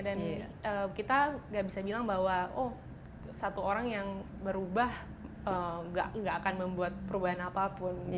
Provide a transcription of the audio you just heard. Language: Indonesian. dan kita nggak bisa bilang bahwa oh satu orang yang berubah nggak akan membuat perubahan apapun